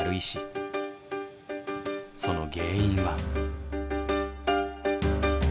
その原因は。